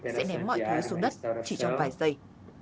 sẽ ném mọi thứ xuống đất chỉ trong vài giây